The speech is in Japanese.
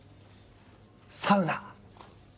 サウナ！